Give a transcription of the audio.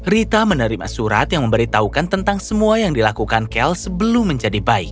rita menerima surat yang memberitahukan tentang semua yang dilakukan kel sebelum menjadi bayi